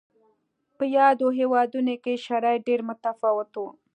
په یادو هېوادونو کې شرایط ډېر متفاوت و.